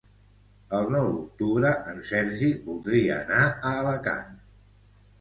El nou d'octubre en Sergi voldria anar a Alacant.